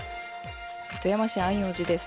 富山市安養寺です。